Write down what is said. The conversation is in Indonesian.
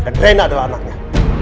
dan rena adalah anaknya